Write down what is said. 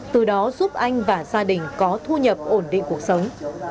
từ đó giúp anh và gia đình có thu nhập ổn định cuộc sống